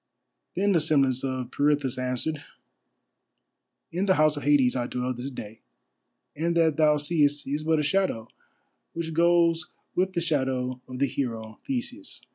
Then the semblance of Pirithous answered: "In the House of Hades I dwell this day, and that thou seest is but a shadow which goes with the shadow of the hero Theseus.